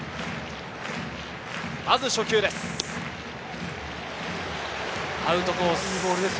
まず初球です。